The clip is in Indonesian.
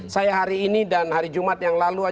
saya hari ini dan hari jumat yang lalu